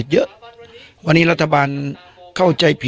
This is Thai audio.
ตอนนี้ตัวตัวไหล